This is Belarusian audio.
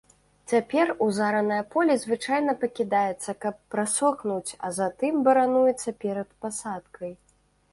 Цяпер узаранае поле звычайна пакідаецца, каб прасохнуць, а затым барануецца перад пасадкай.